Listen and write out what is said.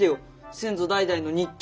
先祖代々の日記。